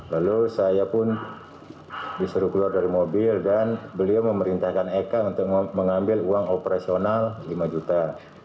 lalu saya pun disuruh keluar dari mobil dan beliau memerintahkan eka untuk mengambil uang operasional lima juta